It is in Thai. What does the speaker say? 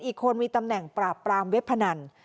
อีกคนมีตำแหน่งปราบปรามเว็บพนัน